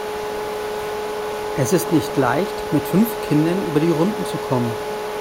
Es ist nicht leicht, mit fünf Kindern über die Runden zu kommen.